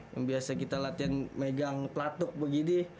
yang biasa kita latihan megang pelatuk begini